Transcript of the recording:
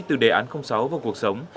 từ đề án sáu vào cuộc sống